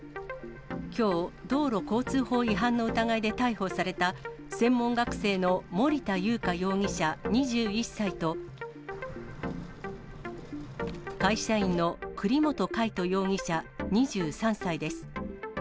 きょう、道路交通法違反の疑いで逮捕された、専門学生の森田祐加容疑者２１歳と、会社員の栗本海斗容疑者２３歳です。